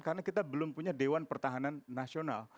karena kita belum punya dewan pertahanan nasional